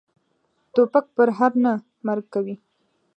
توپک پرهر نه، مرګ کوي.